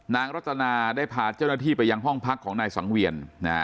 รัตนาได้พาเจ้าหน้าที่ไปยังห้องพักของนายสังเวียน